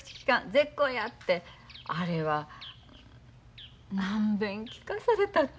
絶交や」ってあれは何べん聞かされたか。